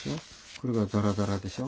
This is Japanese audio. これがザラザラでしょ。